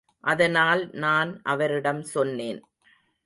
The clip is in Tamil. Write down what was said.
அதனால் நான் அவரிடம் சொன்னேன்.